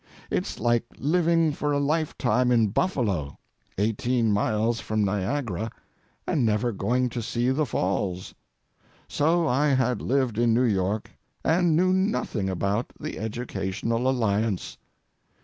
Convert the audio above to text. It's like living for a lifetime in Buffalo, eighteen miles from Niagara, and never going to see the Falls. So I had lived in New York and knew nothing about the Educational Alliance.